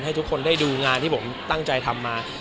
ให้ทุกคนได้ดูงานที่ผมตั้งใจทำมา